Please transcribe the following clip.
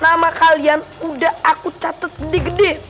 nama kalian udah aku catut gede gede